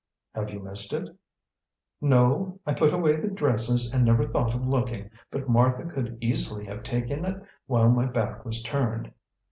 "Have you missed it?" "No. I put away the dresses and never thought of looking, but Martha could easily have taken it while my back was turned.